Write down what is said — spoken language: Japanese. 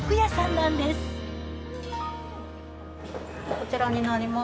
こちらになります。